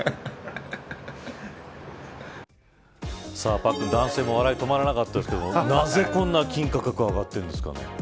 パックン、男性も笑いが止まらなかったですけどなぜこんなに金の価格上がっているんですかね。